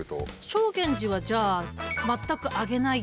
正源司はじゃあ全く上げない。